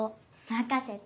任せて。